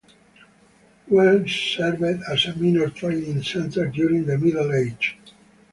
Wels served as a minor trading centre during the Middle Ages.